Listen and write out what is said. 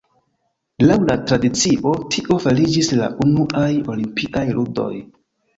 Laŭ la tradicio, tio fariĝis la unuaj olimpiaj ludoj.